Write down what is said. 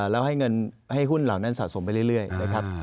แล้วให้เงินให้หุ้นเหล่านั้นสะสมไปเรื่อยนะครับ